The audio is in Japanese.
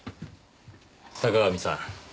坂上さん